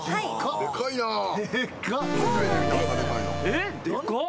えっでかっ！